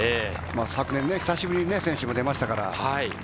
昨年、久しぶりに選手も出ましたから。